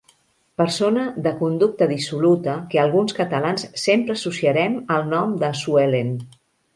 Persona de conducta dissoluta que alguns catalans sempre associarem al nom de Sue Ellen.